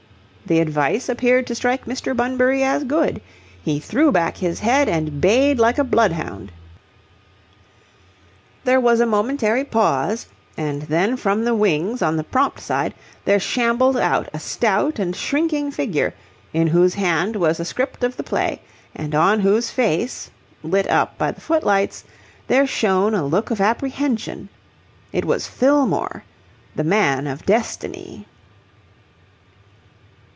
The advice appeared to strike Mr. Bunbury as good. He threw back his head and bayed like a bloodhound. There was a momentary pause, and then from the wings on the prompt side there shambled out a stout and shrinking figure, in whose hand was a script of the play and on whose face, lit up by the footlights, there shone a look of apprehension. It was Fillmore, the Man of Destiny.